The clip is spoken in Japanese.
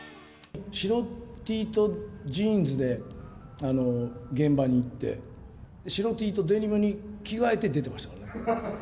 白Ｔとジーンズで現場に行って、白Ｔとデニムに着替えて出てましたからね。